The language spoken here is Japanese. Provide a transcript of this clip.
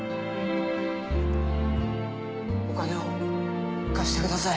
お金を貸してください。